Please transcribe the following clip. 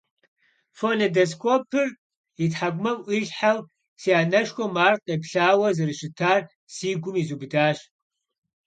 Фонедоскопыр и тхьэкӀумэм Ӏуилъхьэу си анэшхуэм ар къеплъауэ зэрыщытар си гум изубыдащ.